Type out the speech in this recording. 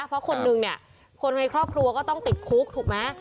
เพราะคนนึงเนี่ยคนในครอบครัวก็ต้องติดคุกถูกไหม